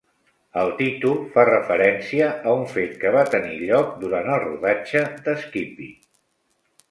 El títol fa referència a un fet que va tenir lloc durant el rodatge de "Skippy".